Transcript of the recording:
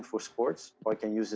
atau untuk bersama anak anak saya